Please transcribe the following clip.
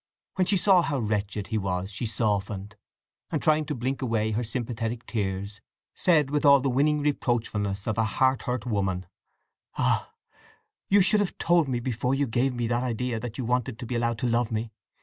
When she saw how wretched he was she softened, and trying to blink away her sympathetic tears said with all the winning reproachfulness of a heart hurt woman: "Ah—you should have told me before you gave me that idea that you wanted to be allowed to love me!